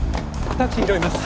タクシー拾います。